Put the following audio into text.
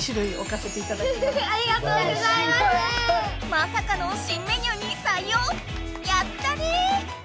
まさかの新メニューにさい用⁉やったね！